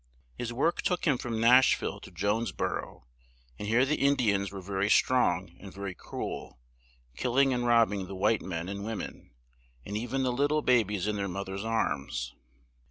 His work took him from Nash ville to Jones bor ough, and here the In di ans were ver y strong and ver y cru el, kill ing and rob bing the white men and wo men, and e ven the lit tle ba bies in their moth ers' arms.